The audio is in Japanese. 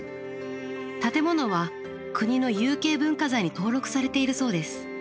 建物は国の有形文化財に登録されているそうです。